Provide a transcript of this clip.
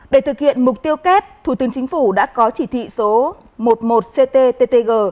để thực hiện mục tiêu kép thủ tướng chính phủ đã có chỉ thị số một mươi một cttg